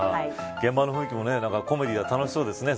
現場の雰囲気もコメディーで楽しそうですね。